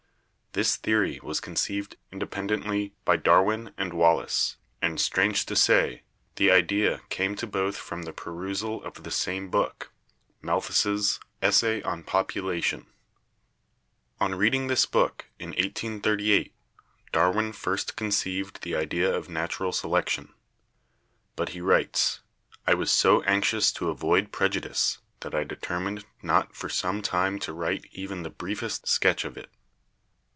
This theory was con ceived independently by Darwin and Wallace, and strange to say, the idea came to both from the perusal of the same book, Malthus's 'Essay on Population/ On reading this book in 1838 Darwin first conceived the idea of natural selection. But he writes, "I was so anxious to avoid prejudice that I determined not for some time to write even the briefest sketch of it.